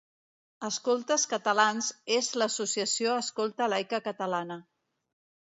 Escoltes Catalans és l'associació escolta laica catalana.